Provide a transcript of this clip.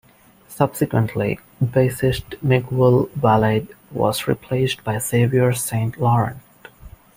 Subsequently, bassist Miguel Valade was replaced by Xavier St-Laurent.